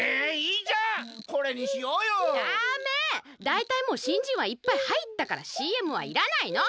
だいたいもう新人はいっぱい入ったからＣＭはいらないの！